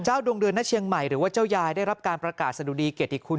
ดวงเดือนณเชียงใหม่หรือว่าเจ้ายายได้รับการประกาศสะดุดีเกียรติคุณ